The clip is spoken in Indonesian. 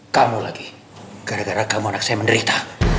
kamu lagi gara gara kamu anak saya menderita